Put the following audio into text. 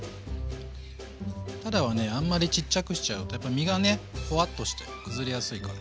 たらはねあんまりちっちゃくしちゃうとやっぱ身がねほわっとして崩れやすいから。